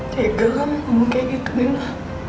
ya gelap kamu kayak gitu nino